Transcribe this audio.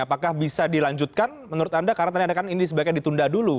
apakah bisa dilanjutkan menurut anda karantanian kan ini sebaiknya ditunda dulu